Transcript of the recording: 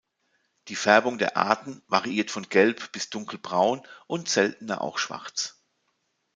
Die Färbung der Arten variiert von gelb bis dunkelbraun und seltener auch schwarz.